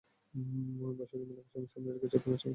বৈশাখী মেলাকে সামনে রেখে চৈত্র মাসে ক্রেতার ভিড় সবচেয়ে বেশি হয়।